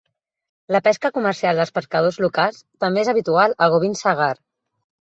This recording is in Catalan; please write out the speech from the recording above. La pesca comercial dels pescadors locals també és habitual a Gobind Sagar.